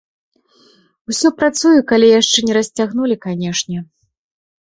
Усё працуе, калі яшчэ не расцягнулі, канешне.